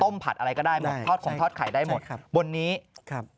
ผัดอะไรก็ได้หมดทอดของทอดไข่ได้หมดครับบนนี้ครับ